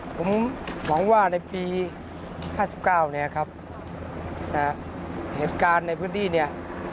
ผมหวังว่าปี๑๙๕๙นะครับเนี่ยเหตุการณ์ในพื้นที่เนี่ย